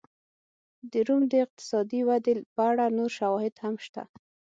د روم د اقتصادي ودې په اړه نور شواهد هم شته.